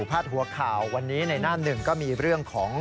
หัวข่าววันนี้ในหน้าหนึ่งก็มีเรื่องของ